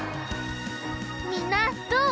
みんなどう？